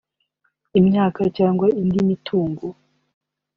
imyaka cyangwa indi mitungo